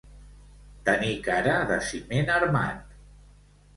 Tenir cara de ciment armat.